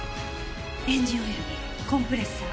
エンジンオイルにコンプレッサー。